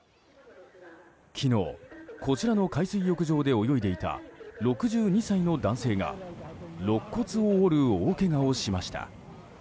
昨日、こちらの海水浴場で泳いでいた６２歳の男性が肋骨を折る大けがをしました。